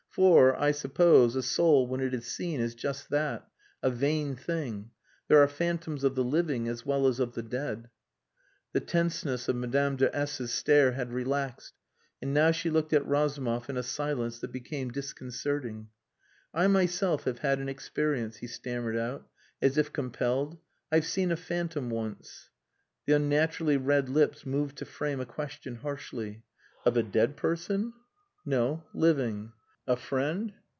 "For, I suppose, a soul when it is seen is just that. A vain thing. There are phantoms of the living as well as of the dead." The tenseness of Madame de S 's stare had relaxed, and now she looked at Razumov in a silence that became disconcerting. "I myself have had an experience," he stammered out, as if compelled. "I've seen a phantom once." The unnaturally red lips moved to frame a question harshly. "Of a dead person?" "No. Living." "A friend?"